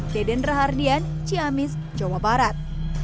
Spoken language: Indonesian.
deden rahardian ciamis jawa barat